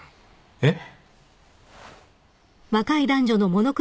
えっ？